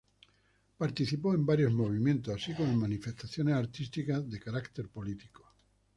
Participó en varios movimientos, así como en manifestaciones artísticas de carácter político.